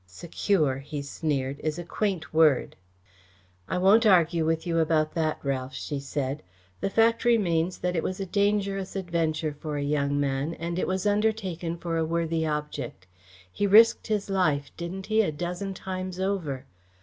"Secure," he sneered, "is a quaint word." "I won't argue with you about that, Ralph," she said. "The fact remains that it was a dangerous adventure for a young man and it was undertaken for a worthy object. He risked his life, didn't he, a dozen times over?